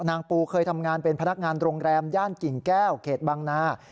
นางปูเคยทำงานเป็นพนักงานโรงแรมย่านกิ่งแก้วเขตบางนา